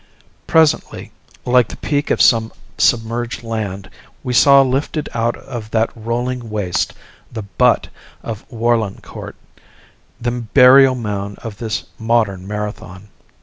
Presently, like the peak of some submerged land, we saw lifted out of that rolling waste the "Butt" of Warlencourt the burial mound of this modern Marathon.